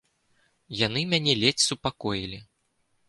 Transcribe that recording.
Яны мяне ледзь супакоілі.